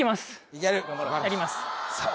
やりますさあ